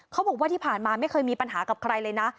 เขาบอกว่าที่ผ่านมาไม่เคยมีปัญหากับใครเลยนะ